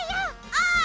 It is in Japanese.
ああ！